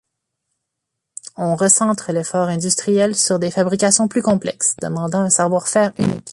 On recentre l'effort industriel sur des fabrications plus complexes, demandant un savoir-faire unique.